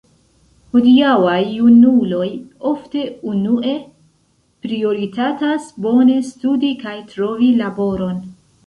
Hodiaŭaj junuloj ofte unue prioritatas bone studi kaj trovi laboron.